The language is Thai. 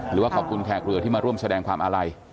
หรือว่าขอบคุณแขกเรือที่มาร่วมแสดงความอาลัย